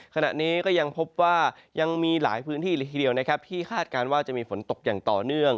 ขณะนี้ก็ยังพบว่ายังมีหลายพื้นที่เลยทีเดียวนะครับที่คาดการณ์ว่าจะมีฝนตกอย่างต่อเนื่อง